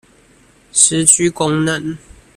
失去功能